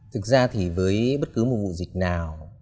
thực ra thì với bất cứ một vụ dịch nào